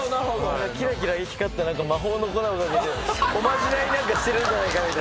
キラキラ光った魔法の粉をかけておまじないなんかしてるんじゃないかみたいな。